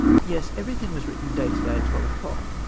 —" Yes ; everything was written every day at twelve o'clock."